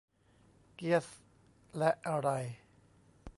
เกียซ และอะไร